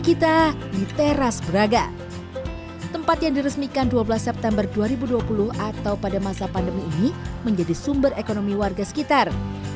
tempat yang diresmikan dua belas september dua ribu dua puluh atau pada masa pandemi ini menjadi sumber ekonomi warga sekitar